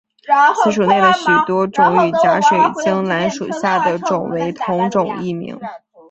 此属内的许多种与假水晶兰属下的种为同种异名。